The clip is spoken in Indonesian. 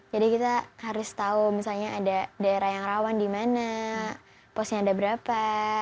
jadi kita harus tahu misalnya ada daerah yang rawan di mana posnya ada berapa